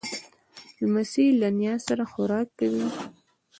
لمسی له نیا سره خوراک کوي.